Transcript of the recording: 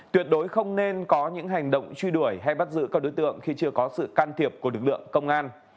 tuyệt đối không nên có những hành động truy đuổi hay bắt giữ các đối tượng khi chưa có sự can thiệp của lực lượng công an